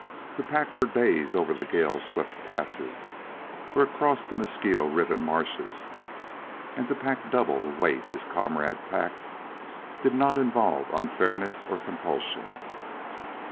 To pack for days over the gale swept passes or across the mosquito ridden marshes, and to pack double the weight his comrade packed, did not involve unfairness or compulsion.